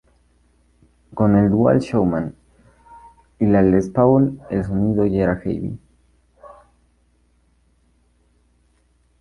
Con el Dual Showman y la Les Paul el sonido ya era "heavy".